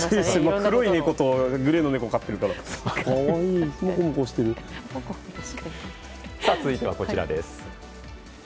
黒い猫とグレーの猫を飼っているから続いてはこちらです。